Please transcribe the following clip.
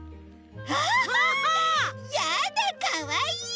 やだかわいい！